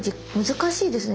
難しいですね